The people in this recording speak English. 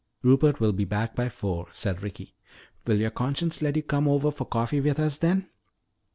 "Rupert will be back by four," said Ricky. "Will your conscience let you come over for coffee with us then?